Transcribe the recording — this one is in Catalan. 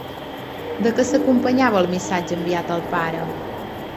De què s'acompanyava el missatge enviat al pare?